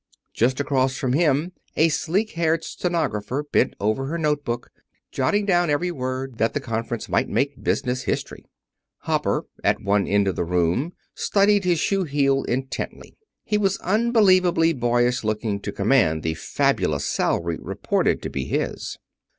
Just across from him a sleek haired stenographer bent over her note book, jotting down every word, that the conference might make business history. Hopper, at one end of the room, studied his shoe heel intently. He was unbelievably boyish looking to command the fabulous salary reported to be his.